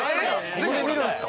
ここで見るんすか？